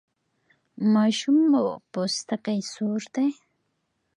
ماشوم مو پوستکی سور دی؟